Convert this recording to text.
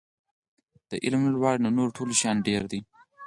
د علم لوړاوی له نورو ټولو شیانو ډېر دی.